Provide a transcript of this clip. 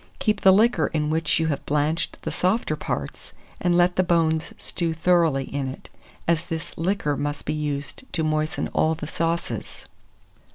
Keep the liquor in which you have blanched the softer parts, and let the bones stew thoroughly in it, as this liquor must be used to moisten all the sauces.